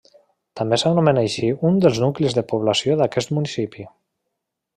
També s'anomena així un dels nuclis de població d'aquest municipi.